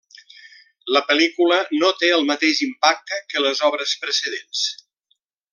La pel·lícula no té el mateix impacte que les obres precedents.